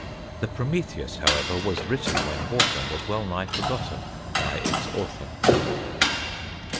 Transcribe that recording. The Prometheus, however, was written when Horsham was well nigh forgotten" by its author.